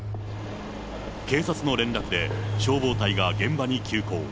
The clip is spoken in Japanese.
警察の連絡で、消防隊が現場に急行。